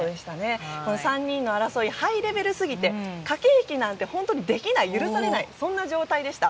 この３人の争いハイレベルすぎて駆け引きなんてできない許されない状態でした。